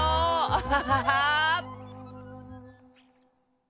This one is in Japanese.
アハハハー！